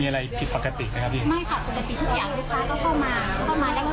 ไม่ค่ะปกติทุกอย่างลูกค้าก็เข้ามา